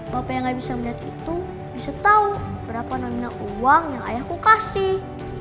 bapak yang gak bisa melihat itu bisa tahu berapa nominal uang yang ayahku kasih